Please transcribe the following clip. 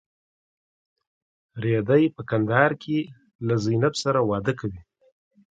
رېدی په کندهار کې له زینب سره واده کوي.